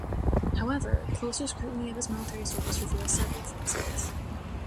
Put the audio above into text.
However, closer scrutiny of his military service reveals several falsehoods.